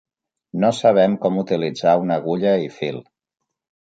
No sabem com utilitzar una agulla i fil.